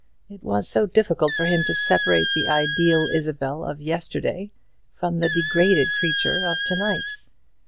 It was so difficult for him to separate the ideal Isabel of yesterday from the degraded creature of to night.